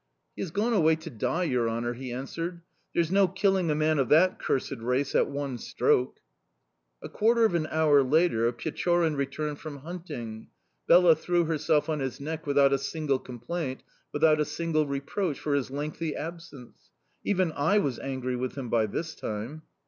"'He has gone away to die, your honour,' he answered. 'There's no killing a man of that cursed race at one stroke.' "A quarter of an hour later Pechorin returned from hunting. Bela threw herself on his neck without a single complaint, without a single reproach for his lengthy absence!... Even I was angry with him by this time!